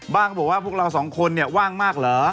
ก็บอกว่าพวกเราสองคนเนี่ยว่างมากเหรอ